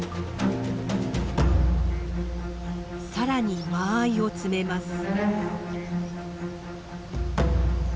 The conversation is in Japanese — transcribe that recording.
さらに間合いを詰めます。